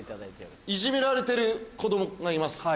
いじめられてる子供がいます。